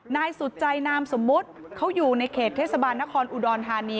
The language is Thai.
นายสุดใจนามสมมุติเขาอยู่ในเขตเทศบาลนครอุดรธานี